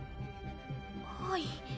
はい。